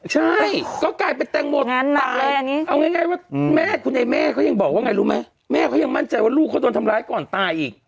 ใช่ก็กลายเป็นแตงโมงานหนักเลยเอาง่ายว่าแม่คุณไอ้แม่เขายังบอกว่าไงรู้ไหมแม่เขายังมั่นใจว่าลูกเขาโดนทำร้ายก่อนตายอีก